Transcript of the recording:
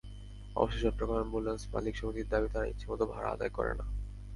অবশ্য চট্টগ্রাম অ্যাম্বুলেন্স মালিক সমিতির দাবি, তারা ইচ্ছেমতো ভাড়া আদায় করে না।